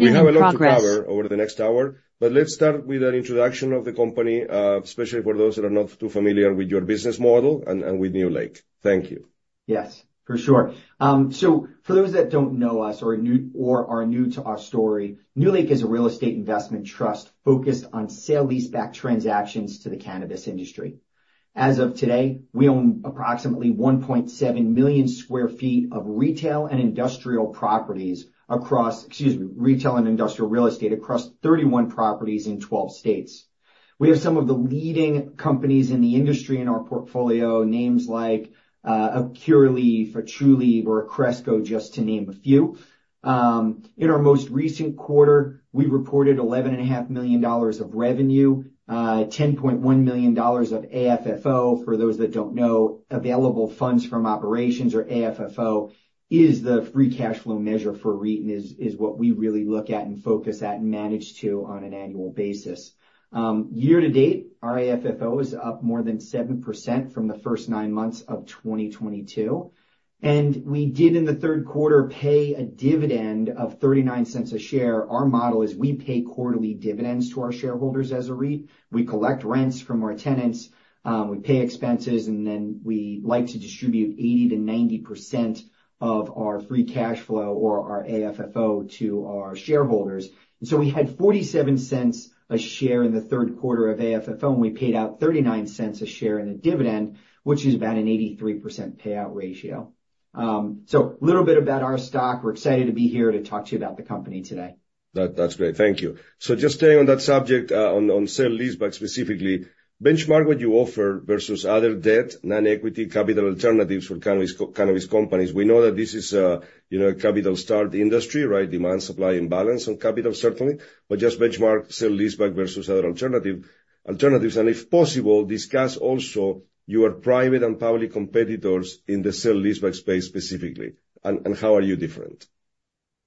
We have a lot to cover over the next hour, but let's start with an introduction of the company, especially for those that are not too familiar with your business model and with NewLake. Thank you. Yes, for sure. So for those that don't know us or are new, or are new to our story, NewLake is a real estate investment trust focused on sale-leaseback transactions to the cannabis industry. As of today, we own approximately 1.7 million sq ft of retail and industrial properties across—excuse me, retail and industrial real estate across 31 properties in 12 states. We have some of the leading companies in the industry in our portfolio, names like, a Curaleaf, a Trulieve, or a Cresco, just to name a few. In our most recent quarter, we reported $11.5 million of revenue, ten point one million dollars of AFFO. For those that don't know, available funds from operations or AFFO is the free cash flow measure for REIT, and is what we really look at and focus at and manage to on an annual basis. Year-to-date, our AFFO is up more than 7% from the first nine months of 2022, and we did in the third quarter pay a dividend of $0.39 a share. Our model is we pay quarterly dividends to our shareholders as a REIT. We collect rents from our tenants, we pay expenses, and then we like to distribute 80%-90% of our free cash flow or our AFFO to our shareholders. And so we had $0.47 a share in the third quarter of AFFO, and we paid out $0.39 a share in a dividend, which is about an 83% payout ratio. A little bit about our stock. We're excited to be here to talk to you about the company today. That, that's great. Thank you. So just staying on that subject, on sale-leaseback, specifically, benchmark what you offer versus other debt, non-equity, capital alternatives for cannabis companies. We know that this is a, you know, capital-starved industry, right? Demand, supply, and balance on capital, certainly, but just benchmark sale-leaseback versus other alternatives. And if possible, discuss also your private and public competitors in the sale-leaseback space, specifically, and how are you different?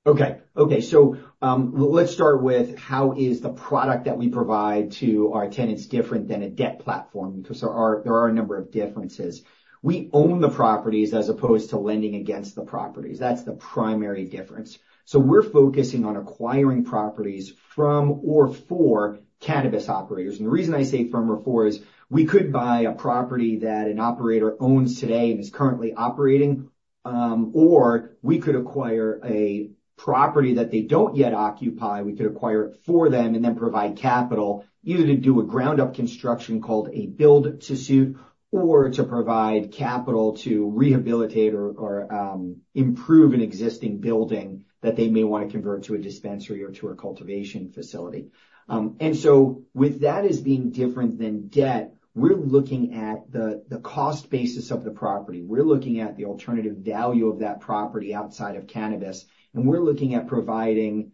Okay. Okay, so, let's start with how is the product that we provide to our tenants different than a debt platform? Because there are, there are a number of differences. We own the properties as opposed to lending against the properties. That's the primary difference. So we're focusing on acquiring properties from or for cannabis operators. And the reason I say from or for is, we could buy a property that an operator owns today and is currently operating, or we could acquire a property that they don't yet occupy. We could acquire it for them and then provide capital, either to do a ground-up construction, called a build-to-suit, or to provide capital to rehabilitate or, improve an existing building that they may want to convert to a dispensary or to a cultivation facility. And so with that as being different than debt, we're looking at the cost basis of the property. We're looking at the alternative value of that property outside of cannabis, and we're looking at providing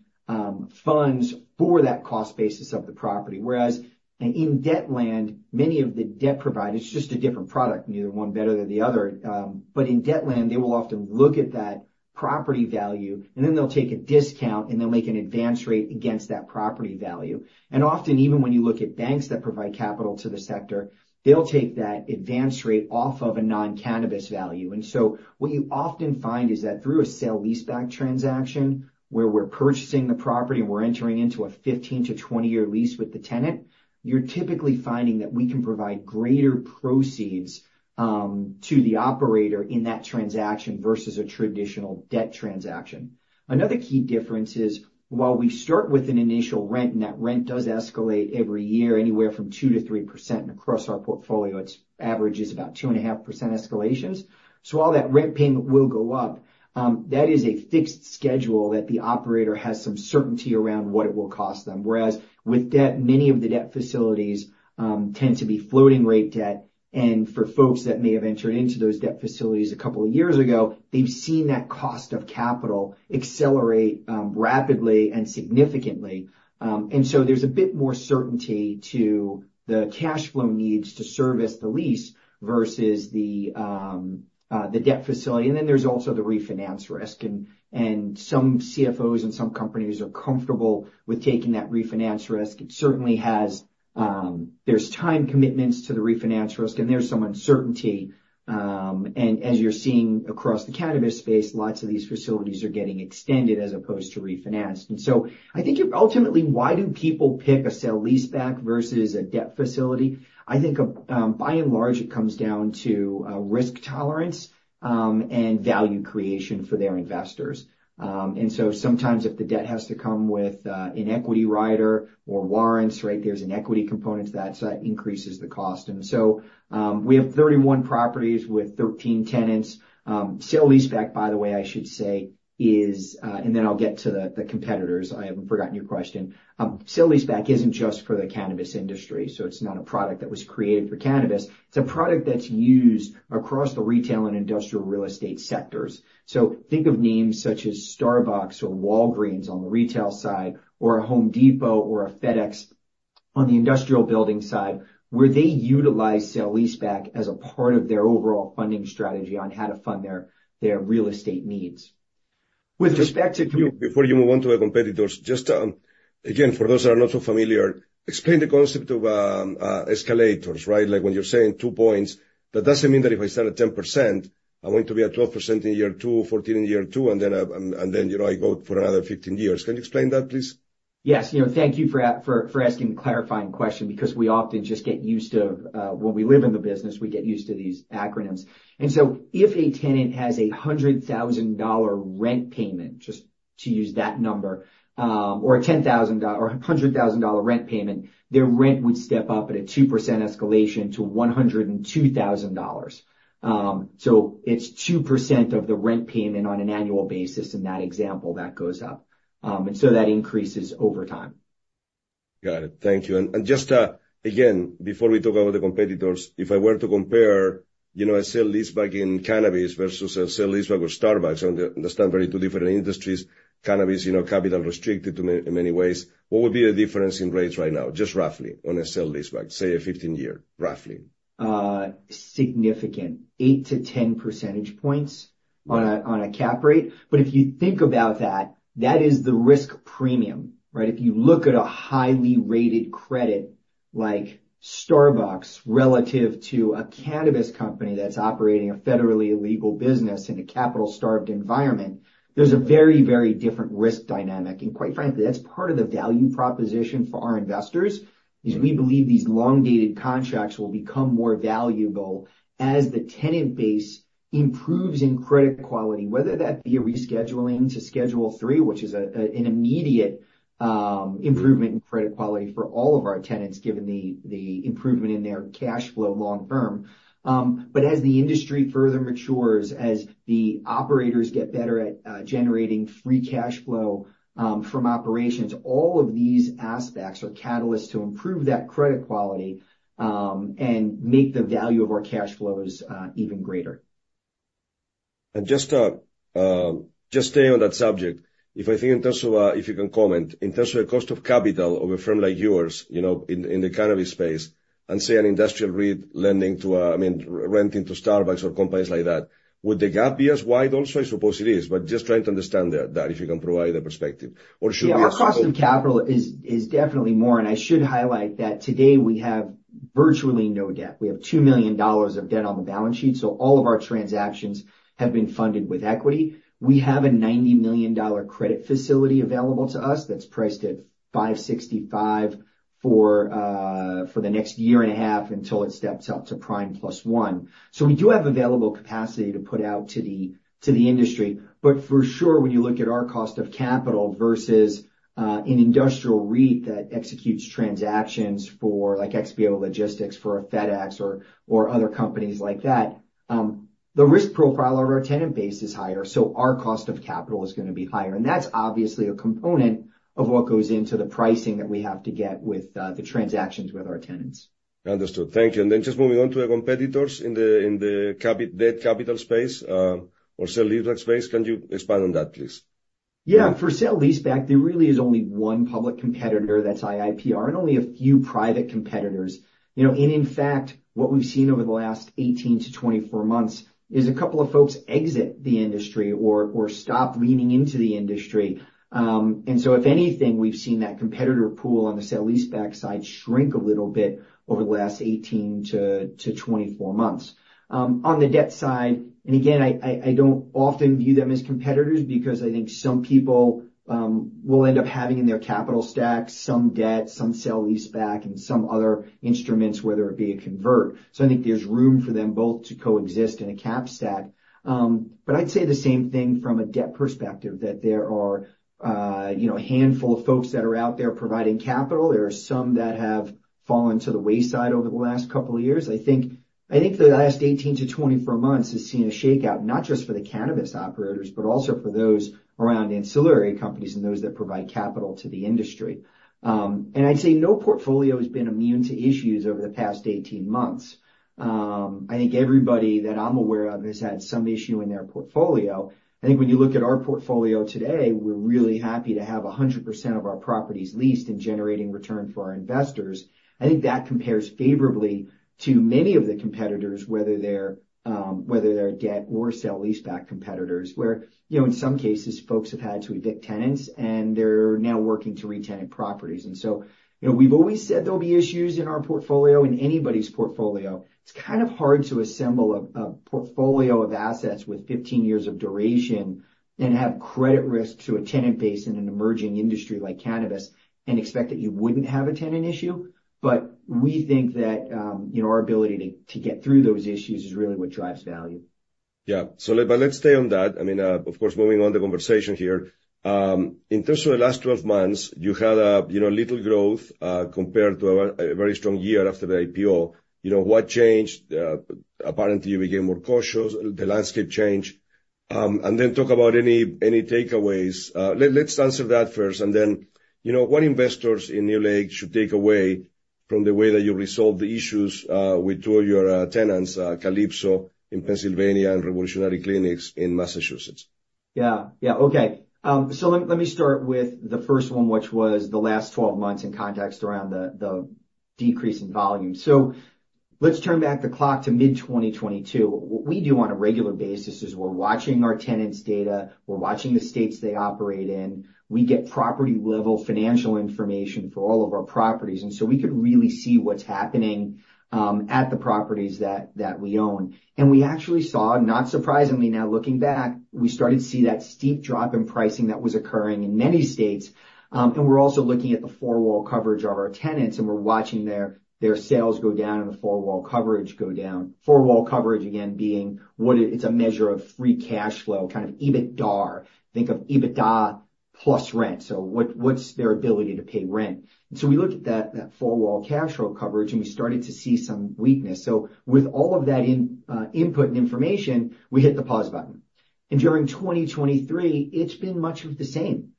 funds for that cost basis of the property. Whereas in debt land, many of the debt providers, it's just a different product, neither one better than the other, but in debt land, they will often look at that property value, and then they'll take a discount, and they'll make an advance rate against that property value. And often, even when you look at banks that provide capital to the sector, they'll take that advance rate off of a non-cannabis value. And so what you often find is that through a sale-leaseback transaction, where we're purchasing the property and we're entering into a 15-20-year lease with the tenant, you're typically finding that we can provide greater proceeds to the operator in that transaction versus a traditional debt transaction. Another key difference is, while we start with an initial rent, and that rent does escalate every year, anywhere from 2%-3%, and across our portfolio, it's average is about 2.5% escalations. So while that rent payment will go up, that is a fixed schedule that the operator has some certainty around what it will cost them. Whereas with debt, many of the debt facilities tend to be floating rate debt, and for folks that may have entered into those debt facilities a couple of years ago, they've seen that cost of capital accelerate rapidly and significantly. And so there's a bit more certainty to the cash flow needs to service the lease versus the the debt facility. And then there's also the refinance risk, and some CFOs and some companies are comfortable with taking that refinance risk. It certainly has... There's time commitments to the refinance risk, and there's some uncertainty. And as you're seeing across the cannabis space, lots of these facilities are getting extended as opposed to refinanced. And so I think ultimately, why do people pick a sale-leaseback versus a debt facility? I think, by and large, it comes down to risk tolerance and value creation for their investors. And so sometimes if the debt has to come with an equity rider or warrants, right, there's an equity component to that, so that increases the cost. And so we have 31 properties with 13 tenants. Sale-leaseback, by the way, I should say, is, and then I'll get to the competitors. I haven't forgotten your question. Sale-leaseback isn't just for the cannabis industry, so it's not a product that was created for cannabis. It's a product that's used across the retail and industrial real estate sectors. So think of names such as Starbucks or Walgreens on the retail side, or a Home Depot or a FedEx on the industrial building side, where they utilize sale-leaseback as a part of their overall funding strategy on how to fund their, their real estate needs. With respect to- Before you move on to the competitors, just, again, for those that are not so familiar, explain the concept of escalators, right? Like when you're saying 2 points, that doesn't mean that if I start at 10%, I want to be at 12% in year two, 14% in year two, and then, and then, you know, I go for another 15 years. Can you explain that, please? Yes. You know, thank you for asking a clarifying question, because we often just get used to. When we live in the business, we get used to these acronyms. And so if a tenant has a $100,000 rent payment, just to use that number, or a ten thousand or a $100,000 rent payment, their rent would step up at a 2% escalation to $102,000. So it's 2% of the rent payment on an annual basis, in that example, that goes up. And so that increases over time. Got it. Thank you. And, and just, again, before we talk about the competitors, if I were to compare, you know, a sale-leaseback in cannabis versus a sale-leaseback with Starbucks, understand very two different industries, cannabis, you know, capital restricted in many ways. What would be the difference in rates right now, just roughly, on a sale-leaseback, say, a 15-year, roughly? Significant. 8-10 percentage points- Wow! On a cap rate. But if you think about that, that is the risk premium, right? If you look at a highly rated credit like Starbucks, relative to a cannabis company that's operating a federally illegal business in a capital-starved environment, there's a very, very different risk dynamic. And quite frankly, that's part of the value proposition for our investors, is we believe these long-dated contracts will become more valuable as the tenant base improves in credit quality, whether that be a rescheduling to Schedule III, which is an immediate improvement in credit quality for all of our tenants, given the improvement in their cash flow long term. But as the industry further matures, as the operators get better at generating free cash flow from operations, all of these aspects are catalysts to improve that credit quality and make the value of our cash flows even greater. Just staying on that subject, if I think in terms of, if you can comment, in terms of the cost of capital of a firm like yours, you know, in the cannabis space, and say, an industrial REIT lending to—I mean, renting to Starbucks or companies like that, would the gap be as wide also? I suppose it is, but just trying to understand that, if you can provide a perspective, or should we- Yeah, our cost of capital is, is definitely more, and I should highlight that today we have virtually no debt. We have $2 million of debt on the balance sheet, so all of our transactions have been funded with equity. We have a $90 million credit facility available to us that's priced at 5.65 for, for the next year and a half, until it steps up to prime plus one. So we do have available capacity to put out to the, to the industry. But for sure, when you look at our cost of capital versus, an industrial REIT that executes transactions for, like XPO Logistics, for a FedEx or, or other companies like that, the risk profile of our tenant base is higher, so our cost of capital is gonna be higher. That's obviously a component of what goes into the pricing that we have to get with, the transactions with our tenants. Understood. Thank you. Just moving on to the competitors in the debt capital space or sale-leaseback space. Can you expand on that, please? Yeah. For sale-leaseback, there really is only one public competitor, that's IIPR, and only a few private competitors. You know, and in fact, what we've seen over the last 18-24 months is a couple of folks exit the industry or stop leaning into the industry. And so if anything, we've seen that competitor pool on the sale-leaseback side shrink a little bit over the last 18-24 months. On the debt side, and again, I don't often view them as competitors because I think some people will end up having in their capital stack, some debt, some sale-leaseback, and some other instruments, whether it be a convert. So I think there's room for them both to coexist in a cap stack. But I'd say the same thing from a debt perspective, that there are, you know, a handful of folks that are out there providing capital. There are some that have fallen to the wayside over the last couple of years. I think the last 18-24 months has seen a shakeout, not just for the cannabis operators, but also for those around ancillary companies and those that provide capital to the industry. And I'd say no portfolio has been immune to issues over the past 18 months. I think everybody that I'm aware of has had some issue in their portfolio. I think when you look at our portfolio today, we're really happy to have 100% of our properties leased and generating return for our investors. I think that compares favorably to many of the competitors, whether they're debt or sale-leaseback competitors, where, you know, in some cases, folks have had to evict tenants, and they're now working to re-tenant properties. And so, you know, we've always said there'll be issues in our portfolio, in anybody's portfolio. It's kind of hard to assemble a portfolio of assets with 15 years of duration and have credit risk to a tenant base in an emerging industry like cannabis and expect that you wouldn't have a tenant issue. But we think that, you know, our ability to get through those issues is really what drives value. Yeah. So but let's stay on that. I mean, of course, moving on the conversation here. In terms of the last 12 months, you had a you know little growth compared to a very strong year after the IPO. You know, what changed? Apparently, you became more cautious, the landscape changed. And then talk about any takeaways. Let's answer that first, and then, you know, what investors in NewLake should take away from the way that you resolved the issues with two of your tenants, Calypso in Pennsylvania and Revolutionary Clinics in Massachusetts? Yeah. Yeah, okay. So let me start with the first one, which was the last 12 months in context around the decrease in volume. So, let's turn back the clock to mid-2022. What we do on a regular basis is we're watching our tenants' data, we're watching the states they operate in. We get property-level financial information for all of our properties, and so we could really see what's happening at the properties that we own. And we actually saw, not surprisingly, now looking back, we started to see that steep drop in pricing that was occurring in many states, and we're also looking at the Four-Wall Coverage of our tenants, and we're watching their sales go down and the Four-Wall Coverage go down. Four-Wall Coverage again being what it - it's a measure of free cash flow, kind of EBITDA. Think of EBITDA plus rent, so what, what's their ability to pay rent? And so we looked at that four-wall cash flow coverage, and we started to see some weakness. So with all of that in input and information, we hit the pause button. And during 2023, it's been much of the same.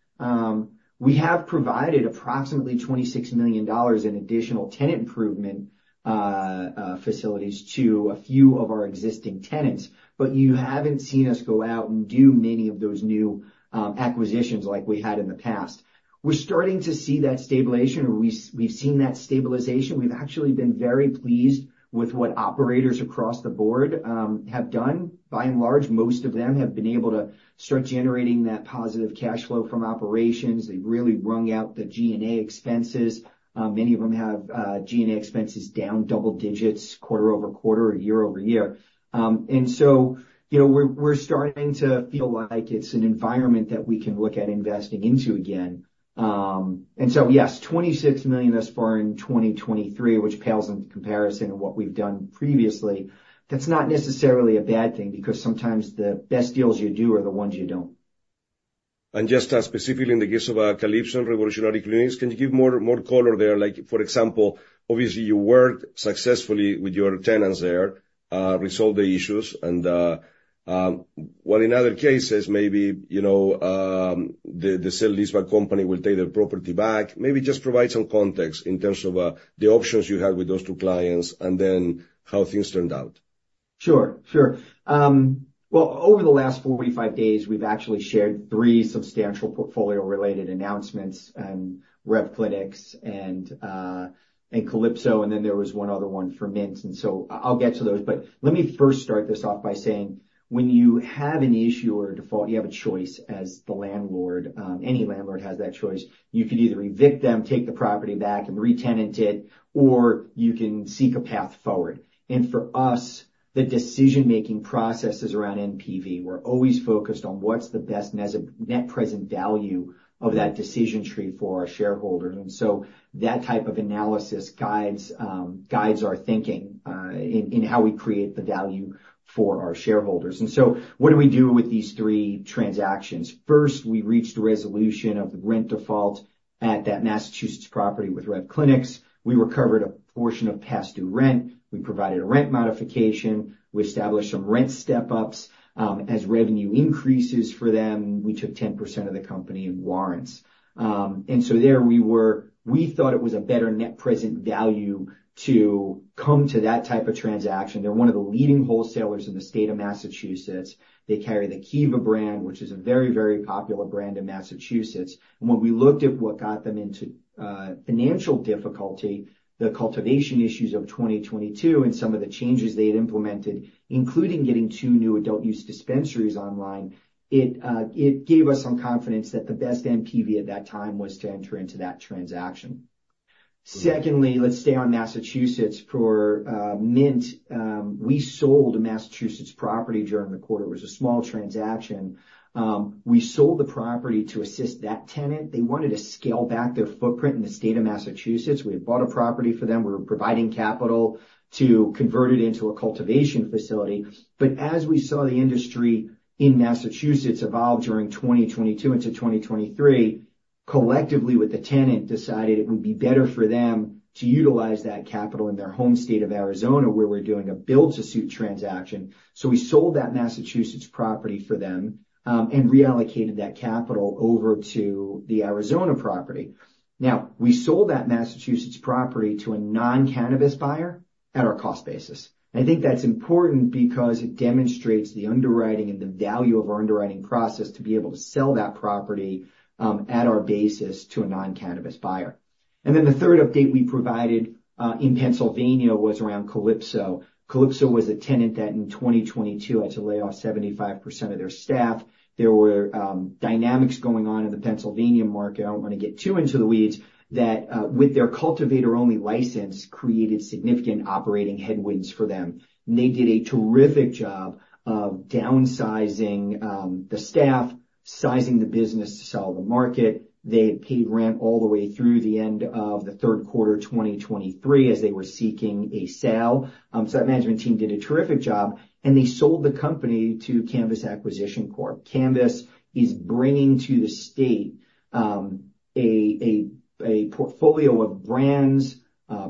We have provided approximately $26 million in additional tenant improvement facilities to a few of our existing tenants, but you haven't seen us go out and do many of those new acquisitions like we had in the past. We're starting to see that stabilization, or we've seen that stabilization. We've actually been very pleased with what operators across the board have done. By and large, most of them have been able to start generating that positive cash flow from operations. They've really wrung out the G&A expenses. Many of them have G&A expenses down double digits, quarter-over-quarter or year-over-year. And so, you know, we're, we're starting to feel like it's an environment that we can look at investing into again. And so, yes, $26 million thus far in 2023, which pales in comparison to what we've done previously. That's not necessarily a bad thing, because sometimes the best deals you do are the ones you don't. And just, specifically in the case of, Calypso and Revolutionary Clinics, can you give more, more color there? Like, for example, obviously, you worked successfully with your tenants there, resolved the issues, and, well, in other cases, maybe, you know, the sale-leaseback company will take their property back. Maybe just provide some context in terms of, the options you had with those two clients, and then how things turned out. Sure, sure. Well, over the last 45 days, we've actually shared three substantial portfolio-related announcements and REV Clinics and Calypso, and then there was one other one for Mint, and so I'll get to those. But let me first start this off by saying, when you have an issue or a default, you have a choice as the landlord. Any landlord has that choice. You could either evict them, take the property back, and re-tenant it, or you can seek a path forward. And for us, the decision-making process is around NPV. We're always focused on what's the best net present value of that decision tree for our shareholders. And so that type of analysis guides our thinking in how we create the value for our shareholders. And so what do we do with these three transactions? First, we reached a resolution of the rent default at that Massachusetts property with REV Clinics. We recovered a portion of past due rent. We provided a rent modification. We established some rent step-ups. As revenue increases for them, we took 10% of the company in warrants. We thought it was a better net present value to come to that type of transaction. They're one of the leading wholesalers in the state of Massachusetts. They carry the Kiva brand, which is a very, very popular brand in Massachusetts. And when we looked at what got them into financial difficulty, the cultivation issues of 2022 and some of the changes they had implemented, including getting two new adult-use dispensaries online, it gave us some confidence that the best NPV at that time was to enter into that transaction. Secondly, let's stay on Massachusetts. For Mint, we sold a Massachusetts property during the quarter. It was a small transaction. We sold the property to assist that tenant. They wanted to scale back their footprint in the state of Massachusetts. We had bought a property for them. We were providing capital to convert it into a cultivation facility. But as we saw the industry in Massachusetts evolve during 2022 into 2023, we collectively with the tenant decided it would be better for them to utilize that capital in their home state of Arizona, where we're doing a build-to-suit transaction. So we sold that Massachusetts property for them and reallocated that capital over to the Arizona property. Now, we sold that Massachusetts property to a non-cannabis buyer at our cost basis. I think that's important because it demonstrates the underwriting and the value of our underwriting process to be able to sell that property at our basis to a non-cannabis buyer. And then, the third update we provided in Pennsylvania was around Calypso. Calypso was a tenant that in 2022 had to lay off 75% of their staff. There were dynamics going on in the Pennsylvania market. I don't want to get too into the weeds that with their cultivator-only license created significant operating headwinds for them. And they did a terrific job of downsizing the staff, sizing the business to sell the market. They paid rent all the way through the end of the third quarter, 2023, as they were seeking a sale. So that management team did a terrific job, and they sold the company to Canvas Acquisition Corp. Canvas is bringing to the state a portfolio of brands,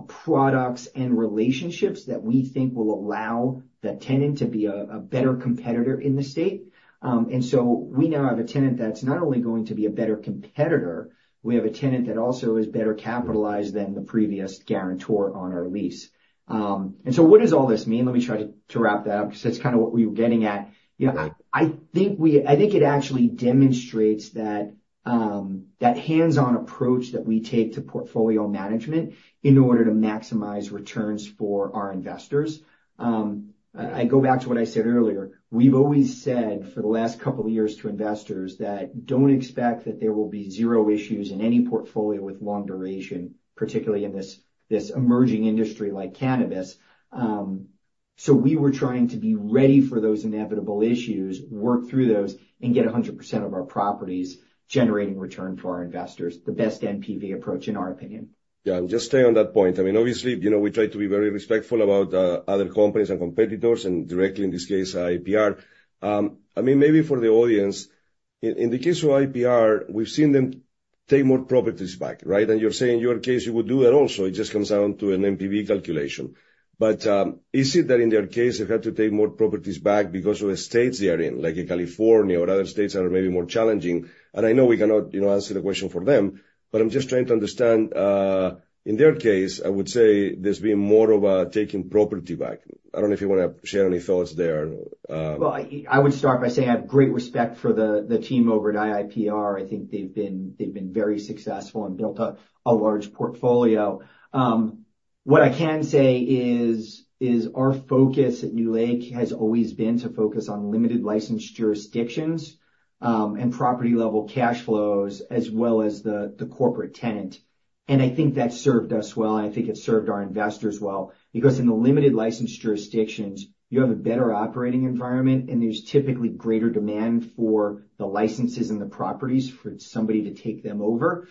products, and relationships that we think will allow that tenant to be a better competitor in the state. And so we now have a tenant that's not only going to be a better competitor, we have a tenant that also is better capitalized than the previous guarantor on our lease. And so what does all this mean? Let me try to wrap that up, because that's kind of what we were getting at. Yeah, I think we- I think it actually demonstrates that hands-on approach that we take to portfolio management in order to maximize returns for our investors. I go back to what I said earlier, we've always said for the last couple of years to investors that don't expect that there will be zero issues in any portfolio with long duration, particularly in this emerging industry like cannabis. So we were trying to be ready for those inevitable issues, work through those, and get 100% of our properties generating return for our investors. The best NPV approach, in our opinion. Yeah, and just stay on that point. I mean, obviously, you know, we try to be very respectful about other companies and competitors, and directly, in this case, IIPR. I mean, maybe for the audience, in the case of IIPR, we've seen them take more properties back, right? And you're saying in your case, you would do it also. It just comes down to an NPV calculation. But is it that in their case, they've had to take more properties back because of the states they are in, like in California or other states that are maybe more challenging? And I know we cannot, you know, answer the question for them, but I'm just trying to understand in their case, I would say there's been more of a taking property back. I don't know if you want to share any thoughts there. Well, I would start by saying I have great respect for the team over at IIPR. I think they've been very successful and built up a large portfolio. What I can say is our focus at NewLake has always been to focus on limited-license jurisdictions, and property-level cash flows, as well as the corporate tenant. And I think that served us well, and I think it served our investors well, because in the limited-license jurisdictions, you have a better operating environment, and there's typically greater demand for the licenses and the properties for somebody to take them over.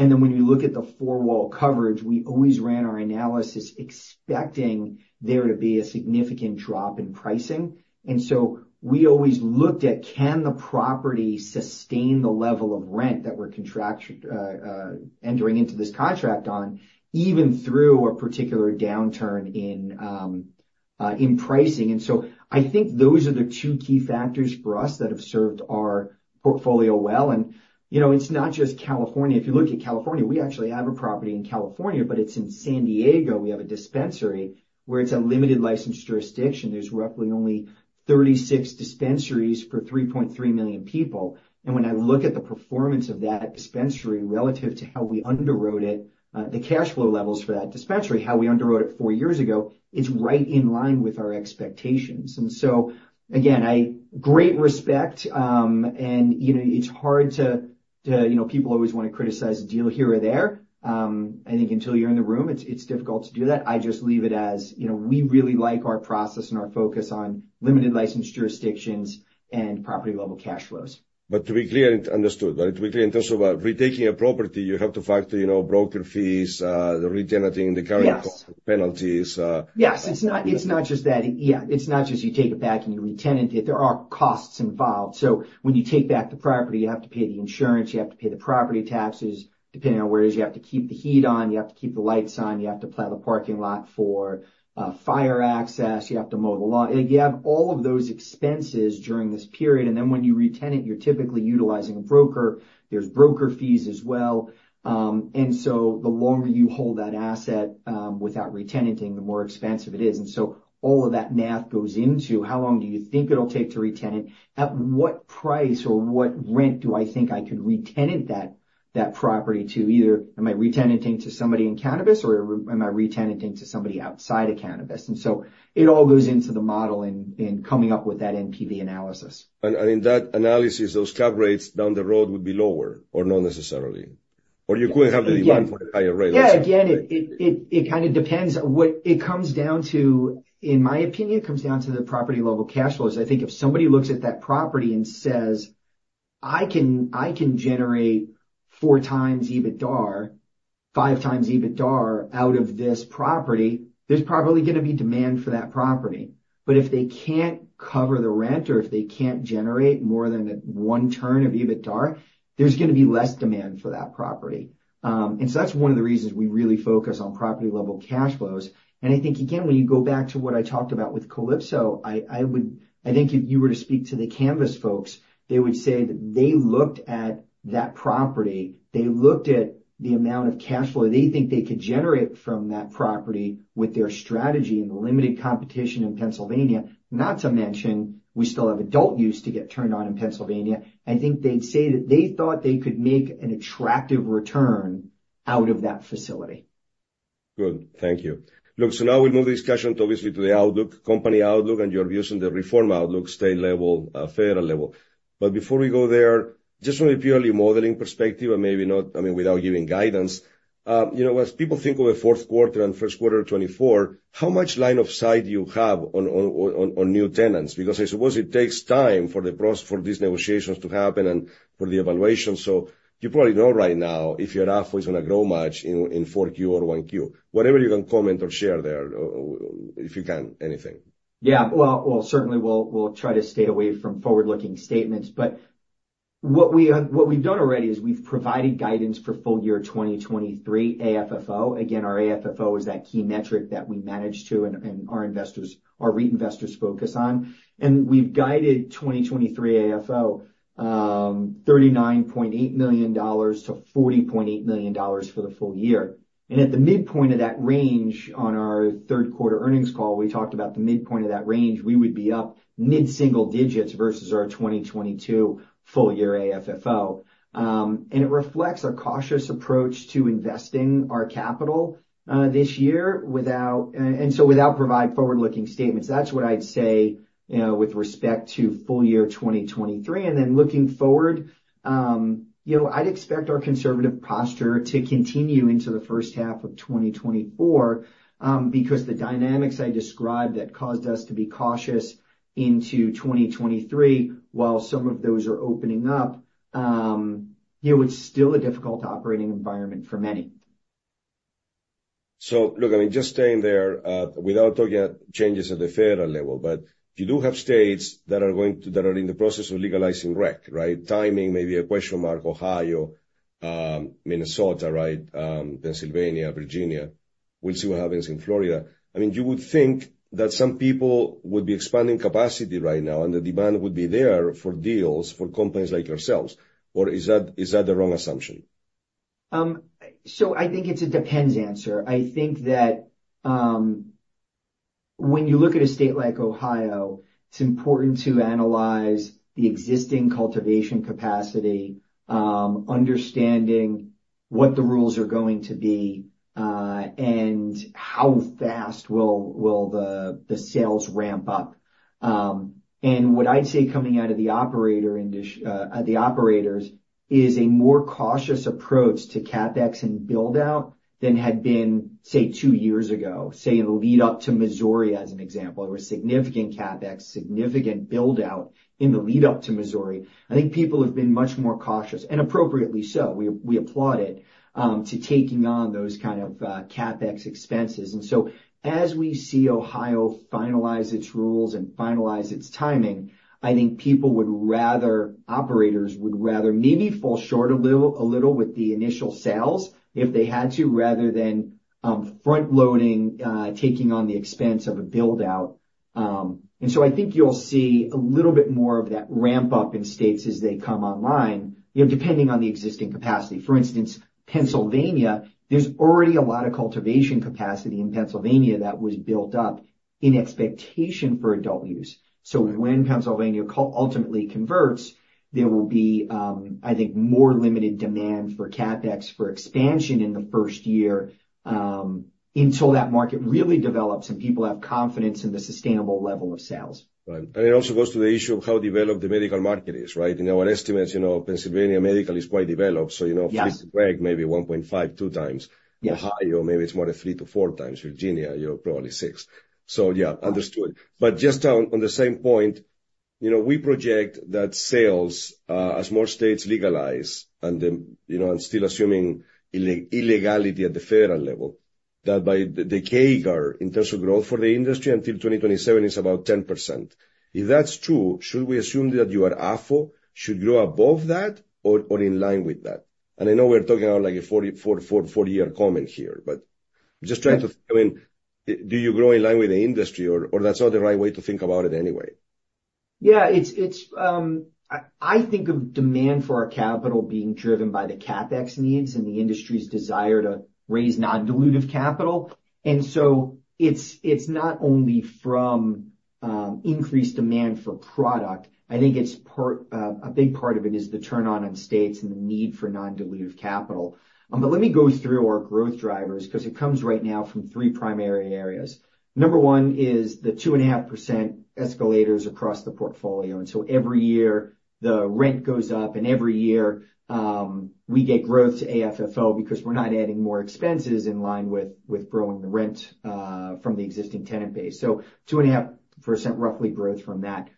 And then when you look at the four-wall coverage, we always ran our analysis expecting there to be a significant drop in pricing. We always looked at, can the property sustain the level of rent that we're entering into this contract on, even through a particular downturn in pricing? I think those are the two key factors for us that have served our portfolio well. You know, it's not just California. If you look at California, we actually have a property in California, but it's in San Diego. We have a dispensary where it's a limited-license jurisdiction. There's roughly only 36 dispensaries for 3.3 million people. And when I look at the performance of that dispensary relative to how we underwrote it, the cash flow levels for that dispensary, how we underwrote it 4 years ago, it's right in line with our expectations. And so, again, I- great respect, and, you know, it's hard to, to... You know, people always want to criticize a deal here or there. I think until you're in the room, it's difficult to do that. I just leave it as, you know, we really like our process and our focus on limited-license jurisdictions and property-level cash flows. But to be clear and understood, right, to be clear, in terms of, retaking a property, you have to factor, you know, broker fees, re-tenanting, the current- Yes -penalties, uh. Yes, it's not, it's not just that. Yeah. It's not just you take it back and you re-tenant it. There are costs involved. So when you take back the property, you have to pay the insurance, you have to pay the property taxes, depending on where it is. You have to keep the heat on, you have to keep the lights on, you have to plow the parking lot for fire access, you have to mow the lawn. You have all of those expenses during this period, and then when you re-tenant, you're typically utilizing a broker. There's broker fees as well. And so the longer you hold that asset without re-tenanting, the more expensive it is. And so all of that math goes into how long do you think it'll take to re-tenant? At what price or what rent do I think I could re-tenant that, that property to? Either am I re-tenanting to somebody in cannabis or am I re-tenanting to somebody outside of cannabis? And so it all goes into the model in, in coming up with that NPV analysis. In that analysis, those cap rates down the road would be lower or not necessarily? Or you couldn't have the demand for the higher rates. Yeah, again, it kind of depends. What it comes down to, in my opinion, it comes down to the property-level cash flows. I think if somebody looks at that property and says, "I can generate 4x EBITDA, 5x EBITDA out of this property," there's probably going to be demand for that property. But if they can't cover the rent or if they can't generate more than 1x EBITDA, there's going to be less demand for that property. And so that's one of the reasons we really focus on property-level cash flows. I think, again, when you go back to what I talked about with Calypso, I would—I think if you were to speak to the Canvas folks, they would say that they looked at that property, they looked at the amount of cash flow they think they could generate from that property with their strategy and the limited competition in Pennsylvania. Not to mention, we still have adult use to get turned on in Pennsylvania. I think they'd say that they thought they could make an attractive return out of that facility. Good. Thank you. Look, so now we'll move the discussion obviously to the outlook, company outlook, and your views on the reform outlook, state level, federal level. But before we go there, just from a purely modeling perspective, and maybe not, I mean, without giving guidance, you know, as people think of a fourth quarter and first quarter 2024, how much line of sight do you have on new tenants? Because I suppose it takes time for these negotiations to happen and for the evaluation. So you probably know right now if your AFFO is going to grow much in Q4 or Q1. Whatever you can comment or share there, if you can, anything. Yeah, well, certainly we'll try to stay away from forward-looking statements, but what we've done already is we've provided guidance for full year 2023 AFFO. Again, our AFFO is that key metric that we manage to and our investors, our reinvest investors focus on. And we've guided 2023 AFFO, $39.8 million-$40.8 million for the full year. And at the midpoint of that range, on our third quarter earnings call, we talked about the midpoint of that range, we would be up mid-single digits versus our 2022 full year AFFO. And it reflects our cautious approach to investing our capital this year, without and so without provide forward-looking statements, that's what I'd say, you know, with respect to full year 2023. Then looking forward, you know, I'd expect our conservative posture to continue into the first half of 2024, because the dynamics I described that caused us to be cautious into 2023, while some of those are opening up, you know, it's still a difficult operating environment for many. So, look, I mean, just staying there without talking about changes at the federal level, but you do have states that are going to—that are in the process of legalizing rec, right? Timing may be a question mark. Ohio, Minnesota, right, Pennsylvania, Virginia. We'll see what happens in Florida. I mean, you would think that some people would be expanding capacity right now, and the demand would be there for deals for companies like yourselves, or is that, is that the wrong assumption? So I think it's a depends answer. I think that, when you look at a state like Ohio, it's important to analyze the existing cultivation capacity, understanding what the rules are going to be, and how fast will the sales ramp up. And what I'd say, coming out of the operators, is a more cautious approach to CapEx and build-out than had been, say, two years ago, say, in the lead-up to Missouri, as an example. There was significant CapEx, significant build-out in the lead-up to Missouri. I think people have been much more cautious, and appropriately so, we applaud it, to taking on those kind of CapEx expenses. And so as we see Ohio finalize its rules and finalize its timing, I think people would rather... Operators would rather maybe fall short a little, a little with the initial sales if they had to, rather than, front-loading, taking on the expense of a build-out. And so I think you'll see a little bit more of that ramp-up in states as they come online, you know, depending on the existing capacity. For instance, Pennsylvania, there's already a lot of cultivation capacity in Pennsylvania that was built up in expectation for adult use. So when Pennsylvania ultimately converts, there will be, I think, more limited demand for CapEx for expansion in the first year, until that market really develops, and people have confidence in the sustainable level of sales. Right. And it also goes to the issue of how developed the medical market is, right? In our estimates, you know, Pennsylvania Medical is quite developed. Yes. So, you know, maybe 1.5x-2x. Yes. Ohio, maybe it's more like 3x-4x. Virginia, you know, probably 6x. So, yeah, understood. But just on the same point, you know, we project that sales as more states legalize, and then, you know, and still assuming illegality at the federal level, that by the CAGR in terms of growth for the industry until 2027 is about 10%. If that's true, should we assume that your AFFO should grow above that or in line with that? And I know we're talking about like a 40-44-year comment here, but- Yeah. Just trying to... I mean, do you grow in line with the industry, or, or that's not the right way to think about it anyway? Yeah, it's. I think of demand for our capital being driven by the CapEx needs and the industry's desire to raise non-dilutive capital. And so it's not only from increased demand for product. I think it's part, a big part of it is the turn on in states and the need for non-dilutive capital. But let me go through our growth drivers, 'cause it comes right now from three primary areas. Number one is the 2.5% escalators across the portfolio, and so every year, the rent goes up, and every year, we get growth to AFFO because we're not adding more expenses in line with growing the rent from the existing tenant base. So 2.5%, roughly, growth from that.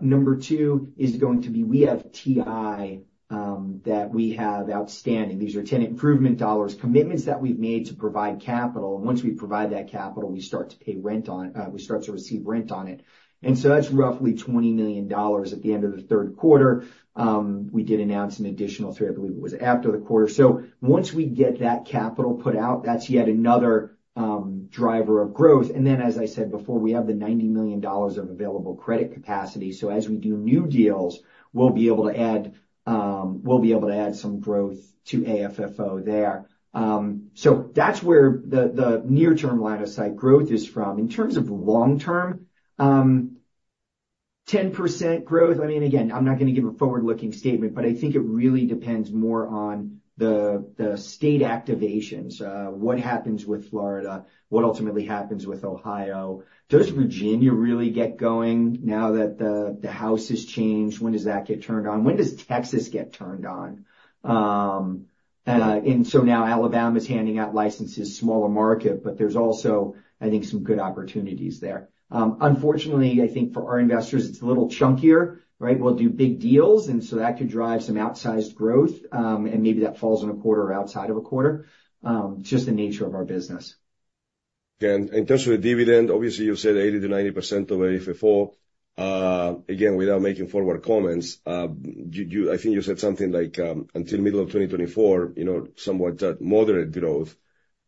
Number two is going to be, we have TI that we have outstanding. These are tenant improvement dollars, commitments that we've made to provide capital, and once we provide that capital, we start to pay rent on, we start to receive rent on it. And so that's roughly $20 million at the end of the third quarter. We did announce an additional $3 million, I believe it was after the quarter. So once we get that capital put out, that's yet another driver of growth. And then, as I said before, we have the $90 million of available credit capacity. So as we do new deals, we'll be able to add, we'll be able to add some growth to AFFO there. So that's where the near-term line of sight growth is from. In terms of long term, 10% growth, I mean, again, I'm not going to give a forward-looking statement, but I think it really depends more on the state activations. What happens with Florida? What ultimately happens with Ohio? Does Virginia really get going now that the House has changed? When does that get turned on? When does Texas get turned on? And so now Alabama's handing out licenses, smaller market, but there's also, I think, some good opportunities there. Unfortunately, I think for our investors, it's a little chunkier, right? We'll do big deals, and so that could drive some outsized growth, and maybe that falls in a quarter or outside of a quarter. Just the nature of our business. And in terms of the dividend, obviously, you've said 80%-90% of AFFO. Again, without making forward comments, I think you said something like, until middle of 2024, you know, somewhat that moderate growth.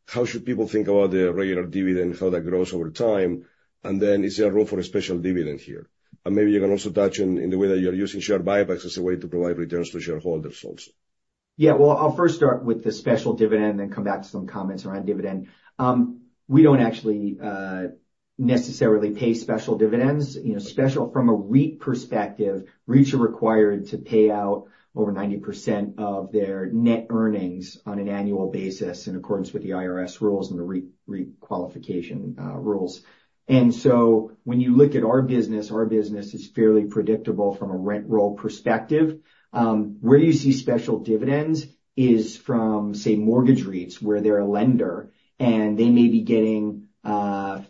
How should people think about the regular dividend, how that grows over time? And then, is there room for a special dividend here? And maybe you can also touch on, in the way that you're using share buybacks as a way to provide returns to shareholders also.... Yeah, well, I'll first start with the special dividend, then come back to some comments around dividend. We don't actually necessarily pay special dividends. You know, special from a REIT perspective, REITs are required to pay out over 90% of their net earnings on an annual basis, in accordance with the IRS rules and the REIT qualification rules. And so when you look at our business, our business is fairly predictable from a rent roll perspective. Where you see special dividends is from, say, mortgage REITs, where they're a lender, and they may be getting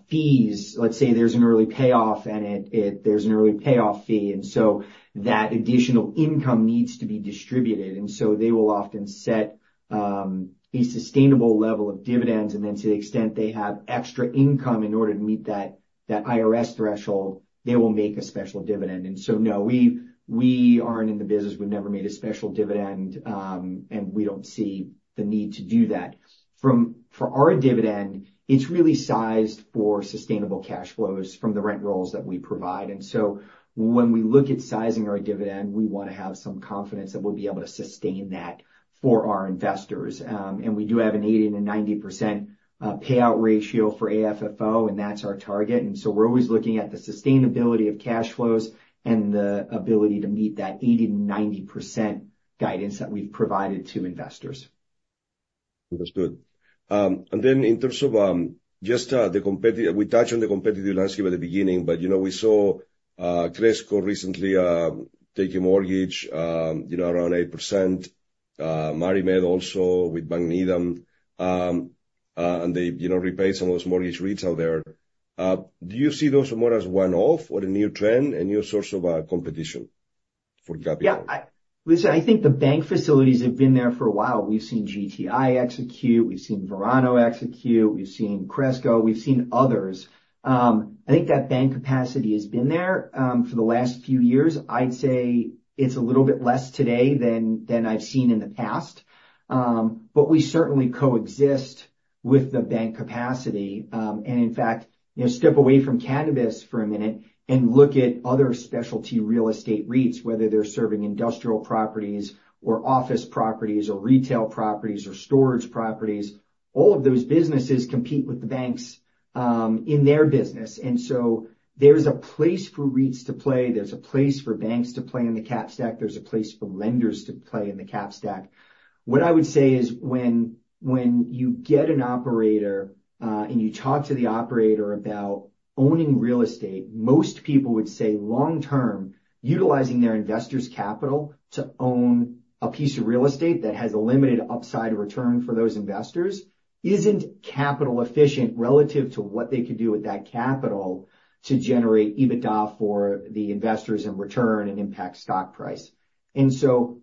fees. Let's say there's an early payoff, and there's an early payoff fee, and so that additional income needs to be distributed. They will often set a sustainable level of dividends, and then to the extent they have extra income in order to meet that IRS threshold, they will make a special dividend. No, we aren't in the business. We've never made a special dividend, and we don't see the need to do that. For our dividend, it's really sized for sustainable cash flows from the rent rolls that we provide. When we look at sizing our dividend, we want to have some confidence that we'll be able to sustain that for our investors. And we do have an 80%-90% payout ratio for AFFO, and that's our target. We're always looking at the sustainability of cash flows and the ability to meet that 80%-90% guidance that we've provided to investors. Understood. And then in terms of, just, the competitive... We touched on the competitive landscape at the beginning, but, you know, we saw, Cresco recently, take a mortgage, you know, around 8%, MariMed also with Needham Bank. And they, you know, repaid some of those mortgage REITs out there. Do you see those more as one-off or a new trend, a new source of, competition for capital? Yeah, listen, I think the bank facilities have been there for a while. We've seen GTI execute, we've seen Verano execute, we've seen Cresco, we've seen others. I think that bank capacity has been there for the last few years. I'd say it's a little bit less today than I've seen in the past. But we certainly coexist with the bank capacity. And in fact, you know, step away from cannabis for a minute and look at other specialty real estate REITs, whether they're serving industrial properties or office properties or retail properties or storage properties, all of those businesses compete with the banks in their business. And so there's a place for REITs to play, there's a place for banks to play in the cap stack, there's a place for lenders to play in the cap stack. What I would say is, when you get an operator, and you talk to the operator about owning real estate, most people would say long term, utilizing their investors' capital to own a piece of real estate that has a limited upside return for those investors, isn't capital efficient relative to what they could do with that capital to generate EBITDA for the investors in return and impact stock price. And so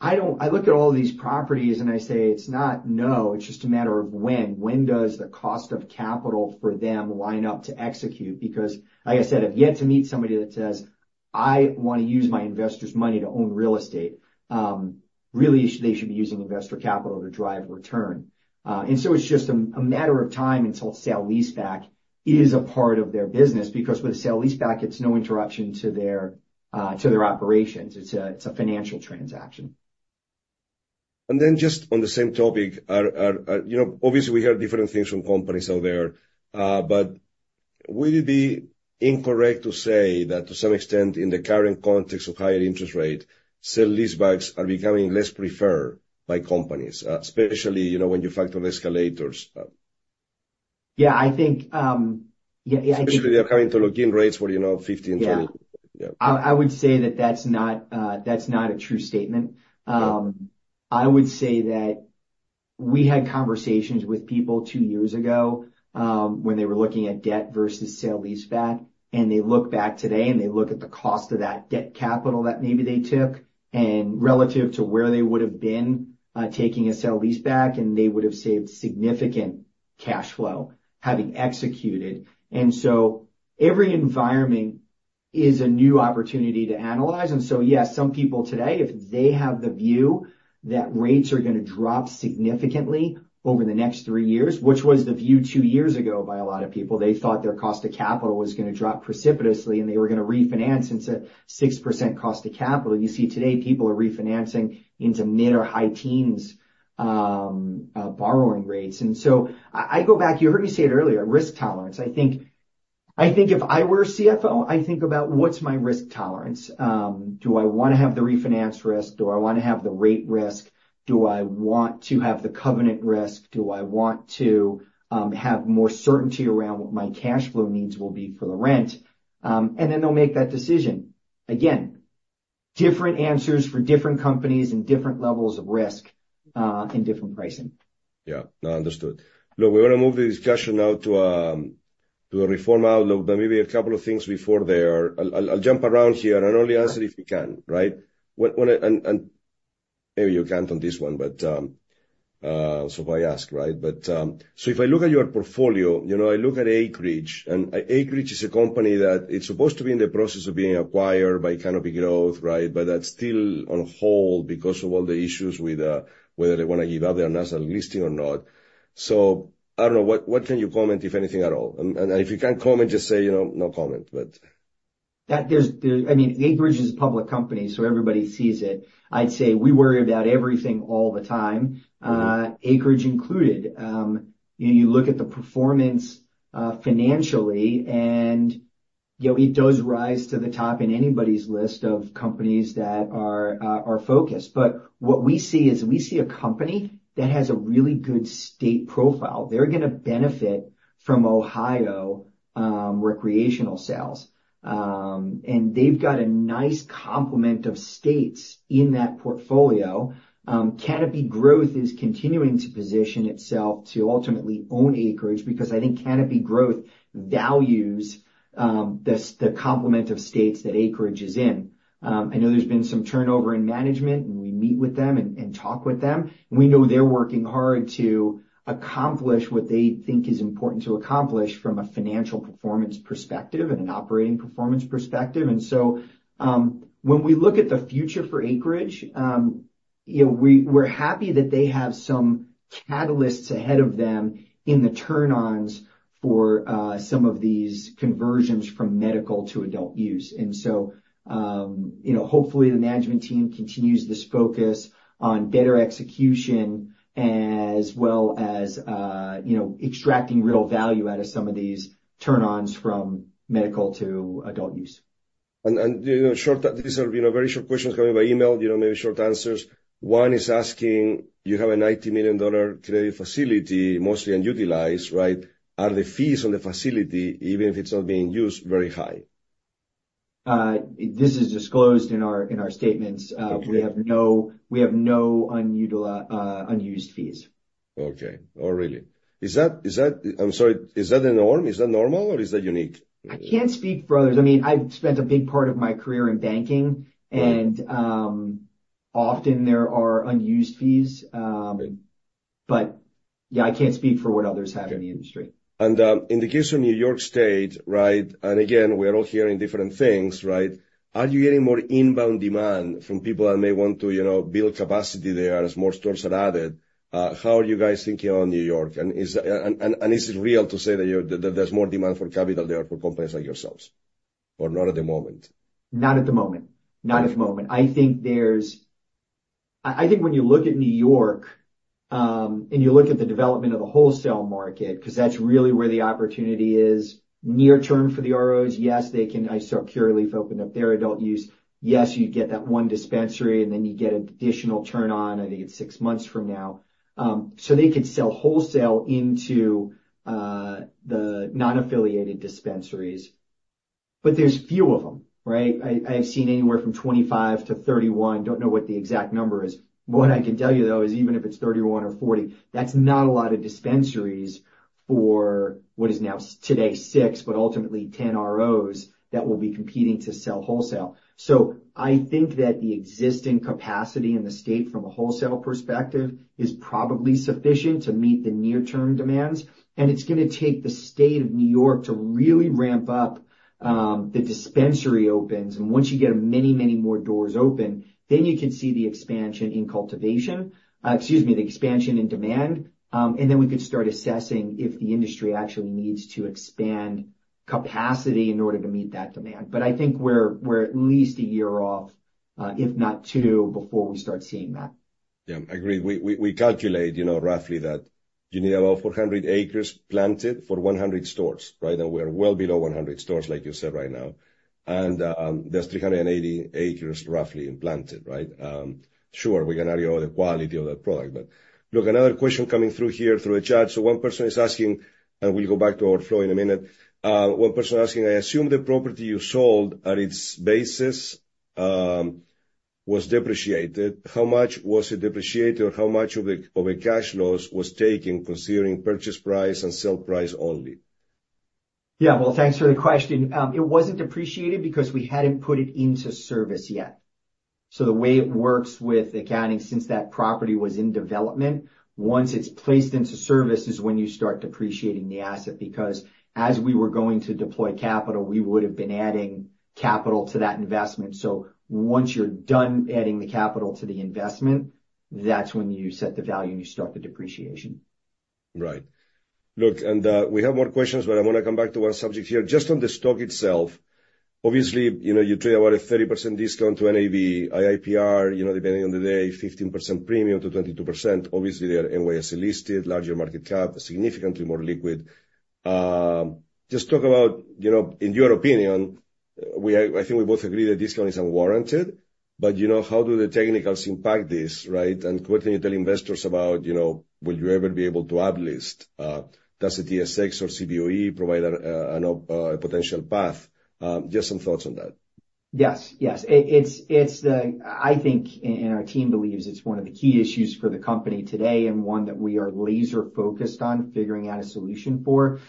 I don't... I look at all these properties, and I say, "It's not no, it's just a matter of when." When does the cost of capital for them line up to execute? Because like I said, I've yet to meet somebody that says, "I want to use my investors' money to own real estate." Really, they should be using investor capital to drive return. And so it's just a matter of time until sale-leaseback is a part of their business, because with a sale-leaseback, it's no interruption to their operations. It's a financial transaction. And then just on the same topic, are you know, obviously, we hear different things from companies out there. But would it be incorrect to say that to some extent, in the current context of higher interest rate, sale-leasebacks are becoming less preferred by companies, especially, you know, when you factor the escalators? Yeah, I think- Especially, they are coming to lock in rates for, you know, 15-20. Yeah. Yeah. I would say that that's not a true statement. Yeah. I would say that we had conversations with people two years ago, when they were looking at debt versus sale-leaseback, and they look back today, and they look at the cost of that debt capital that maybe they took, and relative to where they would've been, taking a sale-leaseback, and they would've saved significant cash flow having executed. And so every environment is a new opportunity to analyze. And so, yes, some people today, if they have the view that rates are gonna drop significantly over the next three years, which was the view two years ago by a lot of people, they thought their cost of capital was gonna drop precipitously, and they were gonna refinance into 6% cost of capital. You see, today, people are refinancing into mid- or high-teens borrowing rates. And so I go back, you heard me say it earlier, risk tolerance. I think if I were a CFO, I'd think about: What's my risk tolerance? Do I wanna have the refinance risk? Do I wanna have the rate risk? Do I want to have the covenant risk? Do I want to have more certainty around what my cash flow needs will be for the rent? And then they'll make that decision. Again, different answers for different companies and different levels of risk, and different pricing. Yeah. No, understood. Look, we want to move the discussion now to a reform outlook, but maybe a couple of things before there. I'll jump around here and only answer if you can, right? What I... And maybe you can't on this one, but so if I ask, right? But so if I look at your portfolio, you know, I look at Acreage, and Acreage is a company that it's supposed to be in the process of being acquired by Canopy Growth, right? But that's still on hold because of all the issues with whether they want to give up their Nasdaq listing or not. So I don't know, what can you comment, if anything, at all? And if you can't comment, just say, you know, "No comment," but-... That there's, I mean, Acreage is a public company, so everybody sees it. I'd say we worry about everything all the time, Acreage included. You know, you look at the performance, financially, and, you know, it does rise to the top in anybody's list of companies that are focused. But what we see is, we see a company that has a really good state profile. They're gonna benefit from Ohio recreational sales. And they've got a nice complement of states in that portfolio. Canopy Growth is continuing to position itself to ultimately own Acreage, because I think Canopy Growth values the complement of states that Acreage is in. I know there's been some turnover in management, and we meet with them and talk with them. We know they're working hard to accomplish what they think is important to accomplish from a financial performance perspective and an operating performance perspective. And so, when we look at the future for Acreage, you know, we're happy that they have some catalysts ahead of them in the turn-ons for some of these conversions from medical to adult use. And so, you know, hopefully, the management team continues this focus on better execution as well as you know, extracting real value out of some of these turn-ons from medical to adult use. And, you know, these are, you know, very short questions coming by email, you know, maybe short answers. One is asking: You have a $90 million trading facility, mostly unutilized, right? Are the fees on the facility, even if it's not being used, very high? This is disclosed in our, in our statements. Okay. We have no unused fees. Okay. Oh, really? Is that, is that... I'm sorry, is that the norm? Is that normal, or is that unique? I can't speak for others. I mean, I've spent a big part of my career in banking- Right. Often there are unused fees. Okay. But yeah, I can't speak for what others have in the industry. In the case of New York State, right, and again, we're all hearing different things, right? Are you getting more inbound demand from people that may want to, you know, build capacity there as more stores are added? How are you guys thinking on New York, and is it real to say that you're, that there's more demand for capital there for companies like yourselves, or not at the moment? Not at the moment. Right. Not at the moment. I think there's I, I think when you look at New York, and you look at the development of the wholesale market, 'cause that's really where the opportunity is near term for the ROs, yes, they can. I saw Curaleaf opened up their adult use. Yes, you get that one dispensary, and then you get an additional turn on, I think it's 6 months from now. So they could sell wholesale into the non-affiliated dispensaries, but there's few of them, right? I, I've seen anywhere from 25-31. Don't know what the exact number is. What I can tell you, though, is even if it's 31 or 40, that's not a lot of dispensaries for what is now today, 6, but ultimately 10 ROs that will be competing to sell wholesale. So I think that the existing capacity in the state from a wholesale perspective is probably sufficient to meet the near-term demands, and it's gonna take the state of New York to really ramp up the dispensary opens. And once you get many, many more doors open, then you can see the expansion in cultivation. Excuse me, the expansion in demand, and then we could start assessing if the industry actually needs to expand capacity in order to meet that demand. But I think we're, we're at least a year off, if not two, before we start seeing that. Yeah, I agree. We calculate, you know, roughly, that you need about 400 acres planted for 100 stores, right? And we are well below 100 stores, like you said, right now. And, there's 380 acres, roughly, planted, right? Sure, we can argue about the quality of that product. But look, another question coming through here through the chat. So one person is asking, and we'll go back to our flow in a minute. One person asking, I assume the property you sold at its basis was depreciated. How much was it depreciated, or how much of a cash loss was taken, considering purchase price and sell price only? Yeah. Well, thanks for the question. It wasn't depreciated because we hadn't put it into service yet. So the way it works with accounting, since that property was in development, once it's placed into service, is when you start depreciating the asset, because as we were going to deploy capital, we would've been adding capital to that investment. So once you're done adding the capital to the investment, that's when you set the value, and you start the depreciation. Right. Look, and we have more questions, but I want to come back to one subject here, just on the stock itself. Obviously, you know, you trade about a 30% discount to NAV, IIPR, you know, depending on the day, 15% premium to 22%. Obviously, they are NYSE-listed, larger market cap, significantly more liquid. Just talk about, you know, in your opinion, we, I think we both agree that discount is unwarranted, but, you know, how do the technicals impact this, right? And what do you tell investors about, you know, will you ever be able to uplist, does the TSX or CBOE provide a potential path? Just some thoughts on that. Yes, yes. It's the... I think, and our team believes it's one of the key issues for the company today and one that we are laser focused on figuring out a solution for.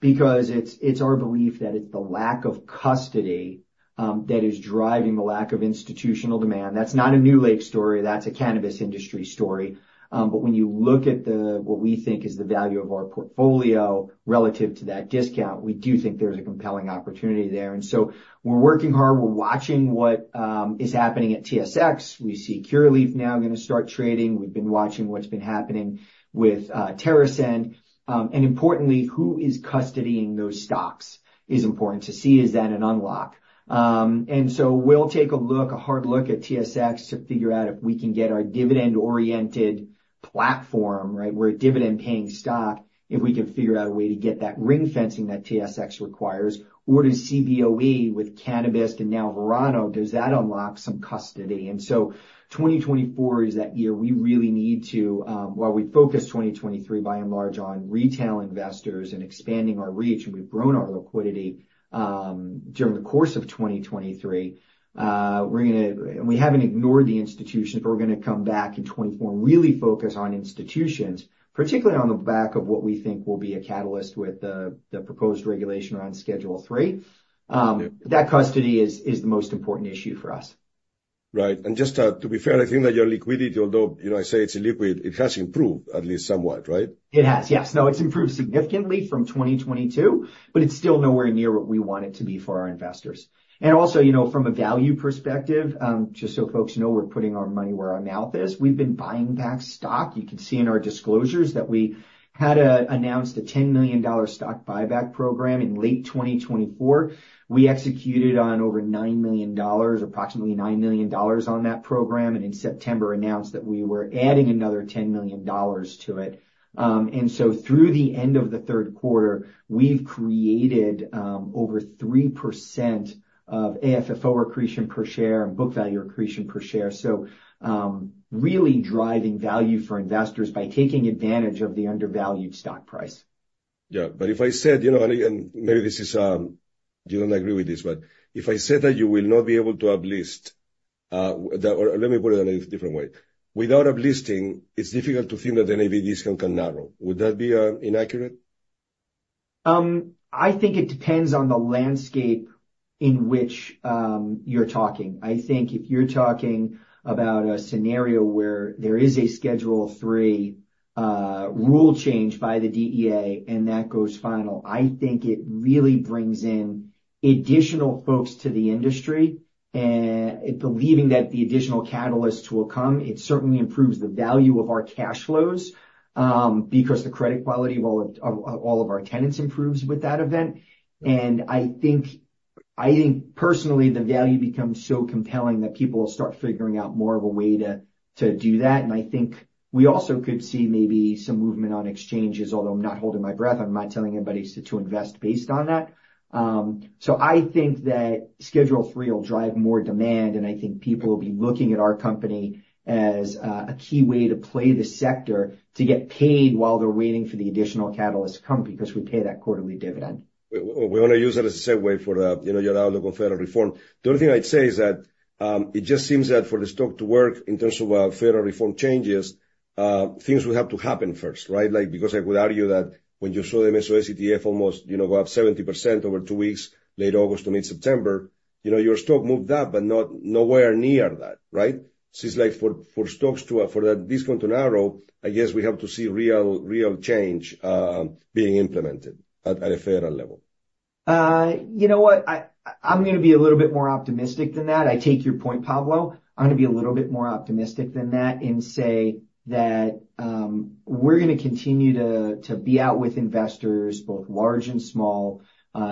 Because it's our belief that it's the lack of custody that is driving the lack of institutional demand. That's not a NewLake story, that's a cannabis industry story. But when you look at what we think is the value of our portfolio relative to that discount, we do think there's a compelling opportunity there. So we're working hard, we're watching what is happening at TSX. We see Curaleaf now gonna start trading. We've been watching what's been happening with TerrAscend. And importantly, who is custodying those stocks is important to see, is that an unlock? And so we'll take a look, a hard look at TSX to figure out if we can get our dividend-oriented platform, right, we're a dividend-paying stock, if we can figure out a way to get that ring fencing that TSX requires, or does CBOE, with Cannabist and now Verano, does that unlock some custody? And so 2024 is that year. We really need to, while we focused 2023, by and large, on retail investors and expanding our reach, and we've grown our liquidity, during the course of 2023, we're gonna- and we haven't ignored the institutions, but we're gonna come back in 2024 and really focus on institutions, particularly on the back of what we think will be a catalyst with the, the proposed regulation around Schedule III. Yeah. that custody is the most important issue for us. Right. And just, to be fair, I think that your liquidity, although, you know, I say it's illiquid, it has improved at least somewhat, right? It has, yes. No, it's improved significantly from 2022, but it's still nowhere near what we want it to be for our investors. And also, you know, from a value perspective, just so folks know, we're putting our money where our mouth is. We've been buying back stock. You can see in our disclosures that we had announced a $10 million stock buyback program in late 2024. We executed on over $9 million, approximately $9 million on that program, and in September announced that we were adding another $10 million to it. And so through the end of the third quarter, we've created over 3% of AFFO accretion per share and book value accretion per share. So, really driving value for investors by taking advantage of the undervalued stock price. Yeah, but if I said, you know, and maybe this is, you don't agree with this, but if I said that you will not be able to uplist or let me put it in a different way. Without uplisting, it's difficult to think that any of the discount can narrow. Would that be inaccurate? I think it depends on the landscape in which you're talking. I think if you're talking about a scenario where there is a Schedule III rule change by the DEA, and that goes final, I think it really brings in additional folks to the industry, believing that the additional catalysts will come. It certainly improves the value of our cash flows, because the credit quality of all of our tenants improves with that event. I think personally, the value becomes so compelling that people will start figuring out more of a way to do that. I think we also could see maybe some movement on exchanges, although I'm not holding my breath. I'm not telling anybody to invest based on that. I think that Schedule III will drive more demand, and I think people will be looking at our company as a key way to play the sector, to get paid while they're waiting for the additional catalysts to come, because we pay that quarterly dividend. We want to use that as a segue for the, you know, your outlook on federal reform. The only thing I'd say is that it just seems that for the stock to work in terms of federal reform changes, things will have to happen first, right? Like, because I would argue that when you saw the MSO ETF almost, you know, go up 70% over two weeks, late August to mid-September, you know, your stock moved up, but not nowhere near that, right? So it's like for stocks to for that discount to narrow, I guess we have to see real, real change being implemented at a federal level. You know what? I'm gonna be a little bit more optimistic than that. I take your point, Pablo. I'm gonna be a little bit more optimistic than that and say that we're gonna continue to be out with investors, both large and small,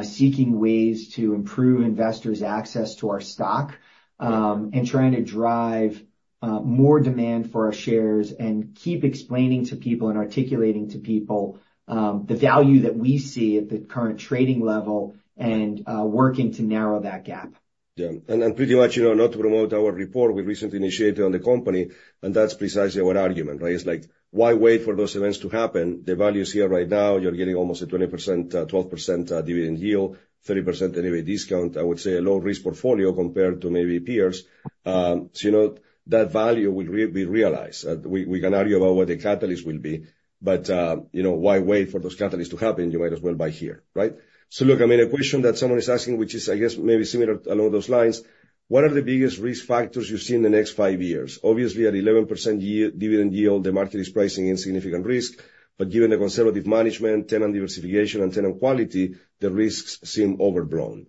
seeking ways to improve investors' access to our stock, and trying to drive more demand for our shares and keep explaining to people and articulating to people the value that we see at the current trading level and working to narrow that gap. Yeah. And pretty much, you know, not to promote our report we recently initiated on the company, and that's precisely our argument, right? It's like: Why wait for those events to happen? The value is here right now. You're getting almost a 20%, 12% dividend yield, 30% annual discount. I would say a low-risk portfolio compared to maybe peers. So, you know, that value will be realized. We can argue about what the catalyst will be, but, you know, why wait for those catalysts to happen? You might as well buy here, right? So look, I mean, a question that someone is asking, which is, I guess, maybe similar along those lines: What are the biggest risk factors you see in the next five years? Obviously, at 11% year dividend yield, the market is pricing in significant risk, but given the conservative management, tenant diversification, and tenant quality, the risks seem overblown.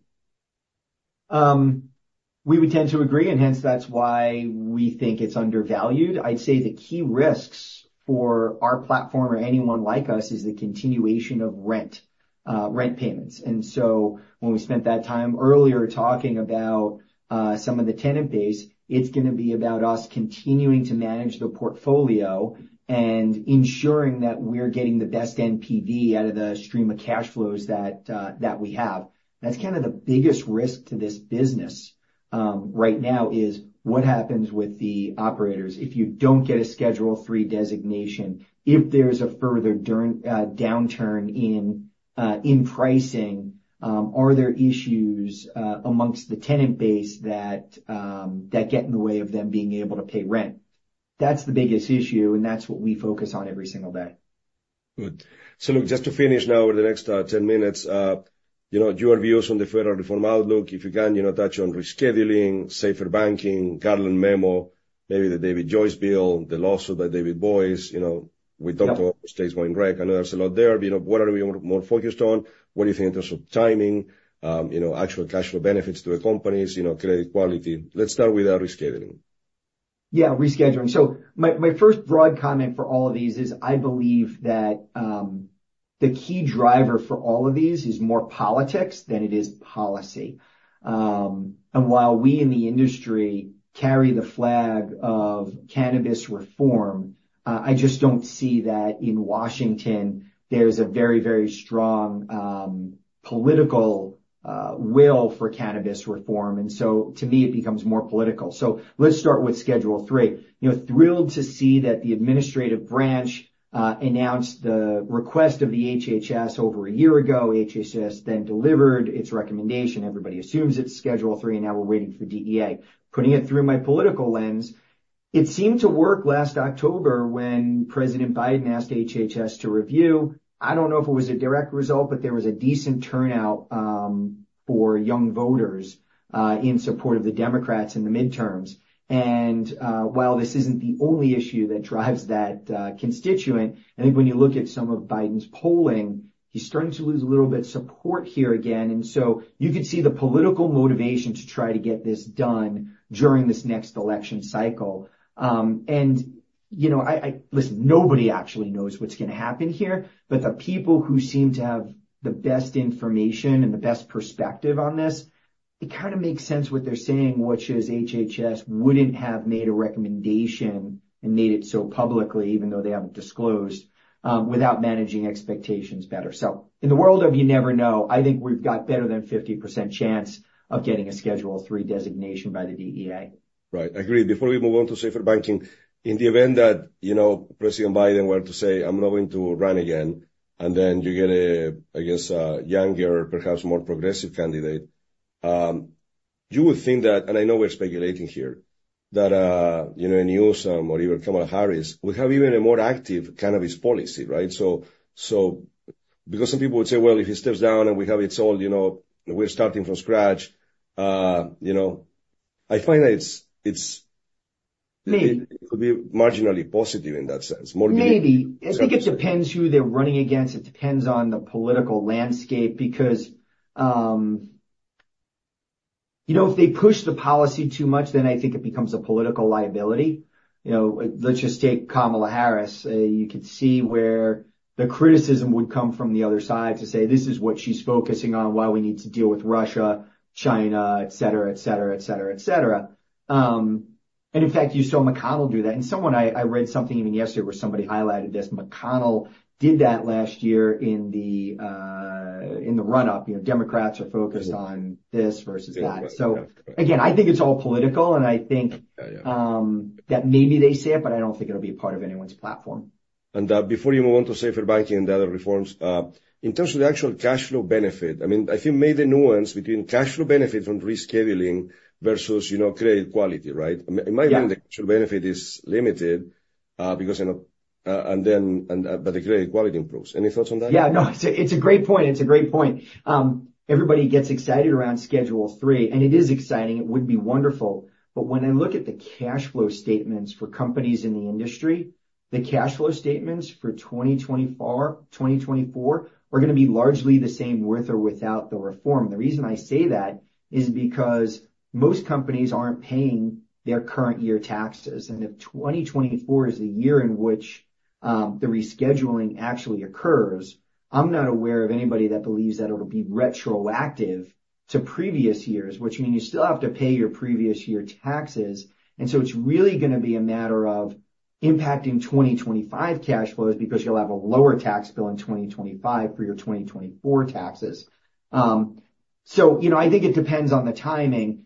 We would tend to agree, and hence, that's why we think it's undervalued. I'd say the key risks for our platform or anyone like us is the continuation of rent payments. And so when we spent that time earlier talking about some of the tenant base, it's gonna be about us continuing to manage the portfolio and ensuring that we're getting the best NPV out of the stream of cash flows that we have. That's kind of the biggest risk to this business right now is what happens with the operators if you don't get a Schedule III designation, if there's a further downturn in pricing, are there issues amongst the tenant base that get in the way of them being able to pay rent? That's the biggest issue, and that's what we focus on every single day.... Good. So look, just to finish now over the next ten minutes, you know, your views on the federal reform outlook, if you can, you know, touch on rescheduling, SAFER Banking, Garland Memo, maybe the David Joyce bill, the lawsuit by David Boies. You know, we talked about states going rec. I know there's a lot there, but, you know, what are we more focused on? What do you think in terms of timing, you know, actual cash flow benefits to the companies, you know, credit quality? Let's start with rescheduling. Yeah, rescheduling. So my, my first broad comment for all of these is, I believe that, the key driver for all of these is more politics than it is policy. And while we in the industry carry the flag of cannabis reform, I just don't see that in Washington there's a very, very strong, political will for cannabis reform, and so to me, it becomes more political. So let's start with Schedule III. You know, thrilled to see that the administrative branch announced the request of the HHS over a year ago. HHS then delivered its recommendation. Everybody assumes it's Schedule III, and now we're waiting for DEA. Putting it through my political lens, it seemed to work last October when President Biden asked HHS to review. I don't know if it was a direct result, but there was a decent turnout for young voters in support of the Democrats in the midterms. And while this isn't the only issue that drives that constituent, I think when you look at some of Biden's polling, he's starting to lose a little bit of support here again, and so you could see the political motivation to try to get this done during this next election cycle. And you know, I, I—listen, nobody actually knows what's gonna happen here, but the people who seem to have the best information and the best perspective on this, it kind of makes sense what they're saying, which is HHS wouldn't have made a recommendation and made it so publicly, even though they haven't disclosed without managing expectations better. In the world of you never know, I think we've got better than 50% chance of getting a Schedule III designation by the DEA. Right. Agreed. Before we move on to safer banking, in the event that, you know, President Biden were to say, "I'm not going to run again," and then you get a, I guess, a younger, perhaps more progressive candidate, you would think that, and I know we're speculating here, that, you know, Newsom or even Kamala Harris, would have even a more active cannabis policy, right? So, so because some people would say, "Well, if he steps down and we have it all, you know, we're starting from scratch," you know. I find that it's, it's- Maybe. It could be marginally positive in that sense, more maybe. Maybe. I think it depends who they're running against. It depends on the political landscape, because, you know, if they push the policy too much, then I think it becomes a political liability. You know, let's just take Kamala Harris. You could see where the criticism would come from the other side to say, "This is what she's focusing on, while we need to deal with Russia, China, et cetera, et cetera, et cetera, et cetera." And in fact, you saw McConnell do that. And someone I read something even yesterday where somebody highlighted this. McConnell did that last year in the, in the run-up. You know, Democrats are focused on this versus that. Yeah. Again, I think it's all political, and I think- Yeah, yeah. That maybe they say it, but I don't think it'll be a part of anyone's platform. Before you move on to SAFER Banking and the other reforms, in terms of the actual cash flow benefit, I mean, I think maybe the nuance between cash flow benefit from rescheduling versus, you know, credit quality, right? Yeah. In my mind, the actual benefit is limited, because, you know, but the credit quality improves. Any thoughts on that? Yeah, no, it's a, it's a great point. It's a great point. Everybody gets excited around Schedule III, and it is exciting. It would be wonderful, but when I look at the cash flow statements for companies in the industry, the cash flow statements for 2024 are gonna be largely the same with or without the reform. The reason I say that is because most companies aren't paying their current year taxes, and if 2024 is the year in which the rescheduling actually occurs, I'm not aware of anybody that believes that it'll be retroactive to previous years, which mean you still have to pay your previous year taxes. And so it's really gonna be a matter of impacting 2025 cash flows, because you'll have a lower tax bill in 2025 for your 2024 taxes. So you know, I think it depends on the timing.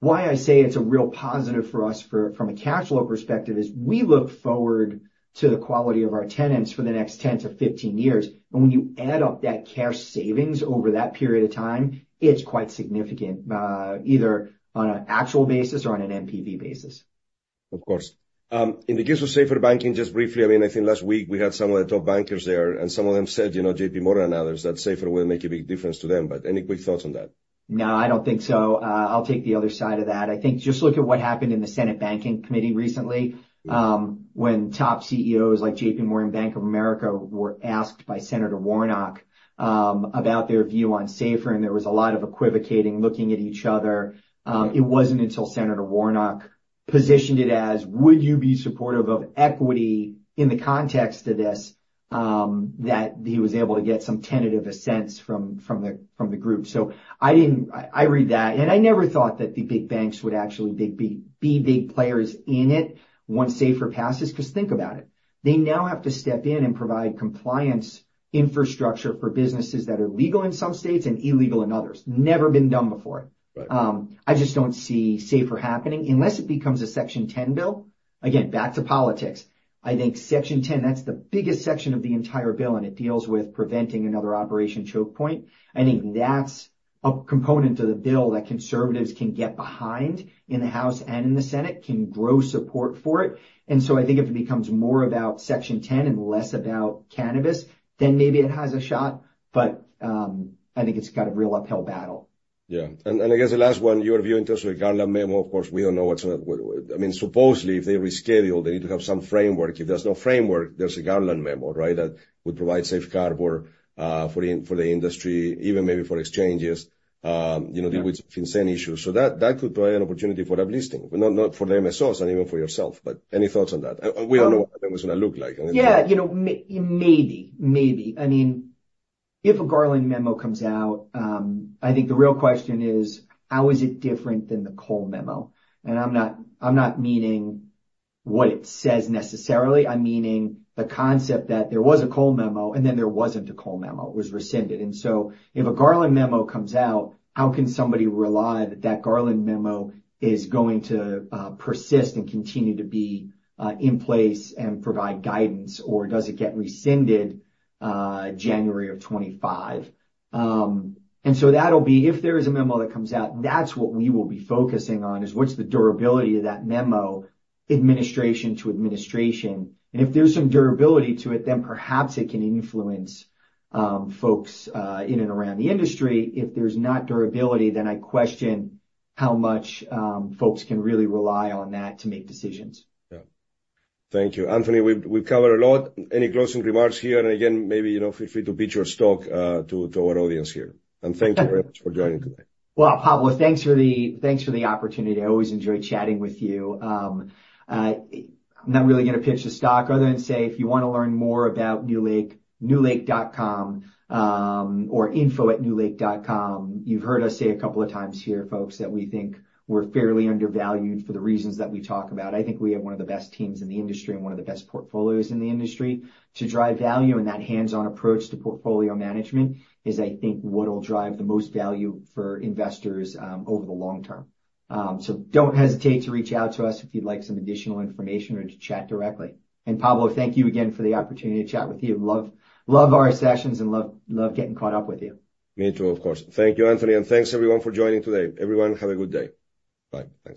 Why I say it's a real positive for us from a cash flow perspective, is we look forward to the quality of our tenants for the next 10 to 15 years, and when you add up that capex savings over that period of time, it's quite significant, either on an actual basis or on an NPV basis. Of course. In the case of SAFER Banking, just briefly, I mean, I think last week we had some of the top bankers there, and some of them said, you know, JP Morgan and others, that SAFER will make a big difference to them, but any quick thoughts on that? No, I don't think so. I'll take the other side of that. I think just look at what happened in the Senate Banking Committee recently, when top CEOs like JP Morgan, Bank of America, were asked by Senator Warnock, about their view on SAFER, and there was a lot of equivocating, looking at each other. It wasn't until Senator Warnock positioned it as: Would you be supportive of equity in the context of this? That he was able to get some tentative assents from, from the, from the group. So I read that, and I never thought that the big banks would actually be big players in it once SAFER passes, because think about it, they now have to step in and provide compliance infrastructure for businesses that are legal in some states and illegal in others. Never been done before. Right. I just don't see SAFER happening unless it becomes a Section 10 bill. Again, back to politics. I think Section 10, that's the biggest section of the entire bill, and it deals with preventing another Operation Choke Point. I think that's a component of the bill that conservatives can get behind in the House and in the Senate, can grow support for it. And so I think if it becomes more about Section 10 and less about cannabis, then maybe it has a shot, but I think it's got a real uphill battle.... Yeah. And I guess the last one, your view in terms of a Garland memo, of course, we don't know what's gonna, I mean, supposedly, if they reschedule, they need to have some framework. If there's no framework, there's a Garland memo, right? That would provide safe harbor for the industry, even maybe for exchanges, you know, deal with some insane issues. So that could provide an opportunity for that listing, but not for the MSOs and even for yourself. But any thoughts on that? We don't know what that was gonna look like. Yeah, you know, maybe, maybe. I mean, if a Garland memo comes out, I think the real question is: how is it different than the Cole Memo? And I'm not meaning what it says necessarily, I'm meaning the concept that there was a Cole Memo, and then there wasn't a Cole Memo. It was rescinded. And so if a Garland memo comes out, how can somebody rely that that Garland memo is going to persist and continue to be in place and provide guidance, or does it get rescinded January of 2025? And so that'll be... If there is a memo that comes out, that's what we will be focusing on, is what's the durability of that memo, administration to administration. And if there's some durability to it, then perhaps it can influence folks in and around the industry. If there's not durability, then I question how much, folks can really rely on that to make decisions. Yeah. Thank you. Anthony, we've covered a lot. Any closing remarks here? And again, maybe, you know, feel free to pitch your stock to our audience here. And thank you very much for joining today. Well, Pablo, thanks for the, thanks for the opportunity. I always enjoy chatting with you. I'm not really gonna pitch the stock other than say, if you wanna learn more about NewLake, newlake.com, or info@newlake.com. You've heard us say a couple of times here, folks, that we think we're fairly undervalued for the reasons that we talk about. I think we have one of the best teams in the industry and one of the best portfolios in the industry to drive value, and that hands-on approach to portfolio management is, I think, what will drive the most value for investors, over the long term. So don't hesitate to reach out to us if you'd like some additional information or to chat directly. And Pablo, thank you again for the opportunity to chat with you. Love, love our sessions, and love, love getting caught up with you. Me too, of course. Thank you, Anthony, and thanks everyone for joining today. Everyone, have a good day. Bye. Thanks.